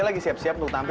lepasin pak randy